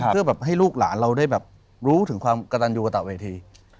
เพื่อแบบให้ลูกหลานเราได้แบบรู้ถึงความกระตันยูกระตะเวที